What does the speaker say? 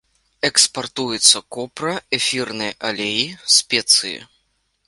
Экспартуецца копра, эфірныя алеі, спецыі.